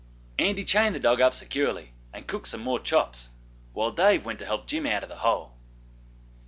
Andy chained the dog up securely, and cooked some more chops, while Dave went to help Jim out of the hole.